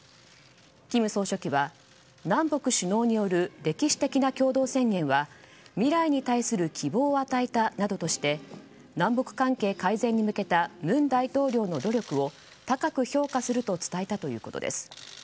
金総書記は、南北首脳による歴史的な共同宣言は未来に対する希望を与えたなどとして南北関係改善に向けた文大統領の努力を高く評価すると伝えたということです。